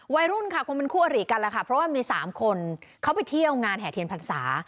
วัยรุ่นค่ะคงเป็นคู่อริกันแหละค่ะเพราะว่ามี๓คนเขาไปเที่ยวงานแห่เทียนพรรษา